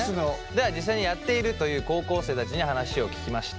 では実際にやっているという高校生たちに話を聞きました。